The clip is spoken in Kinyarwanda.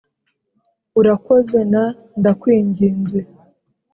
"urakoze," na "ndakwinginze."